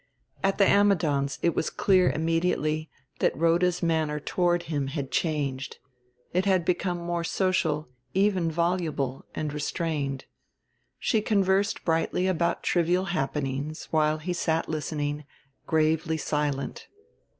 At the Ammidons' it was clear immediately that Rhoda's manner toward him had changed: it had become more social, even voluble, and restrained. She conversed brightly about trivial happenings, while he sat listening, gravely silent.